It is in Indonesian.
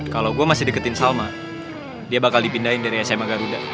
kalau gue masih deketin salma dia bakal dipindahin dari sma garuda